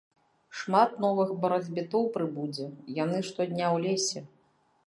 Шмат новых барацьбітоў прыбудзе, яны штодня ў лесе.